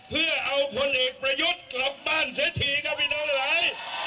เพื่อเอาพลเอกประยุทธ์กลับบ้านเสียทีครับพี่น้องหลาย